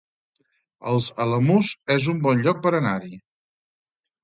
Els Alamús es un bon lloc per anar-hi